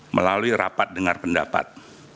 melalui rapat dengar pendapat